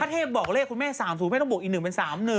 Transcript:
เทพบอกเลขคุณแม่๓๐แม่ต้องบวกอีก๑เป็น๓๑